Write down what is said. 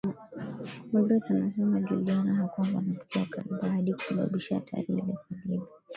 Magreth anasema Juliana hakuwa mwanamke wa kawaida hadi kusababisha hatari ile kwa Debby